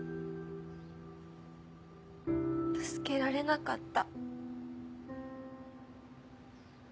助けられなかった。